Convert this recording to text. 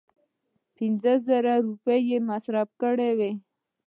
پنځه لس زره روپۍ یې مصرف کړې.